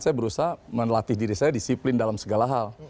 saya berusaha melatih diri saya disiplin dalam segala hal